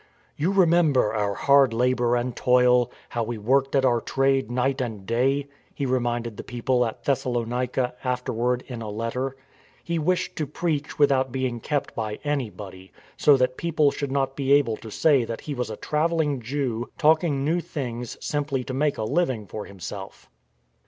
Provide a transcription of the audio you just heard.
" You remember our hard labour and toil, how we worked at our trade night and day," ^ he reminded the people at Thessalonica afterward in a letter. He wished to preach without being kept by anybody, so that people should not be able to say that he was a travelling Jew talking new things simply to make a living for himself.